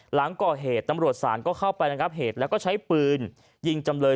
หลังก่อเหตุตำรวจศาลก็เข้าไประงับเหตุแล้วก็ใช้ปืนยิงจำเลย